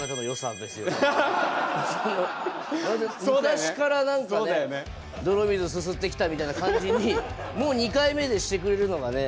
そうだよね昔からなんかね泥水すすってきたみたいな感じにもう２回目でしてくれるのがね